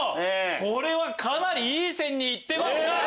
これはかなりいい線にいってます！